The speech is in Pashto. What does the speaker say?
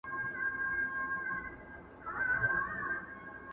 کله چي دا غرېزه راويښه سي نو انسان نور پر رحم باور نه لري،